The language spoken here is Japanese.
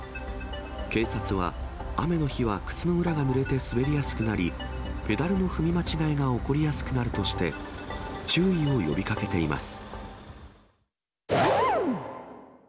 警察は、雨の日は靴の裏がぬれて滑りやすくなり、ペダルの踏み間違えが起こりやすくなるとして、注意を呼びかけています。